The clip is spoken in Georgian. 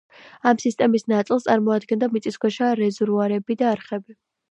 ამ სისტემის ნაწილს წარმოადგენდა მიწისქვეშა რეზერვუარები და არხები.